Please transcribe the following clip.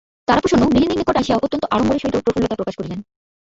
তারাপ্রসন্ন গৃহিণীর নিকট আসিয়া অত্যন্ত আড়ম্বরের সহিত প্রফুল্লতা প্রকাশ করিলেন।